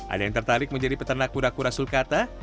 ada yang tertarik menjadi peternak kura kura sulkata